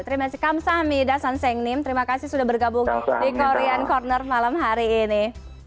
terima kasih terima kasih sudah bergabung di korean corner malam hari ini